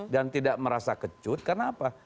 dan tidak merasa kecut karena apa